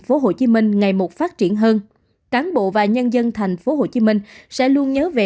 phố hồ chí minh ngày một phát triển hơn cán bộ và nhân dân thành phố hồ chí minh sẽ luôn nhớ về